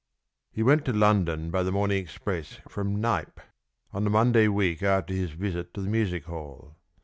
He went to London by the morning express from Knype, on the Monday week after his visit to the music hall.